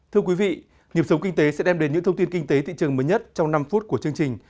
thưa quý vị nhiệm sống kinh tế sẽ đem đến những thông tin kinh tế thị trường mới nhất trong năm phút của chương trình